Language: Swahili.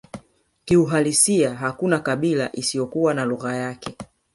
Kiuhalisia hakuna kabila isiyokuwa na lugha yake